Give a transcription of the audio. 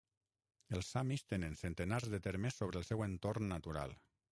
Els samis tenen centenars de termes sobre el seu entorn natural.